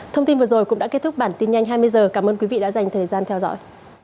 thông tin vừa rồi cũng đã kết thúc bản tin nhanh hai mươi h cảm ơn quý vị đã dành thời gian theo dõi